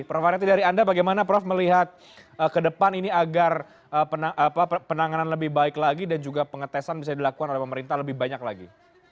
prof aryati dari anda bagaimana prof melihat ke depan ini agar penanganan lebih baik lagi dan juga pengetesan bisa dilakukan oleh pemerintah lebih banyak lagi